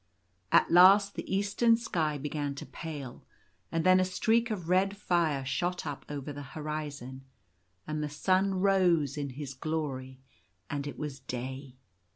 At last the eastern sky began to pale; and then a streak of red fire shot up over the horizon ; and the sun rose in his glory ; and it was day.